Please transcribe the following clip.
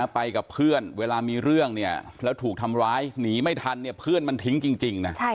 ไปกับเพื่อนเวลามีเรื่องเนี่ยแล้วถูกทำร้ายหนีไม่ทันเนี่ยเพื่อนมันทิ้งจริงนะ